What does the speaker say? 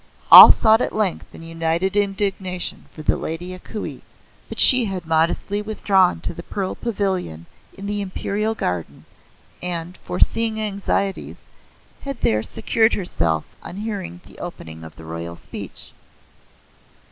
All sought at length in united indignation for the Lady A Kuei, but she had modestly withdrawn to the Pearl Pavilion in the Imperial Garden and, foreseeing anxieties, had there secured herself on hearing the opening of the Royal Speech.